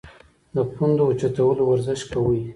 د پوندو اوچتولو ورزش کوی -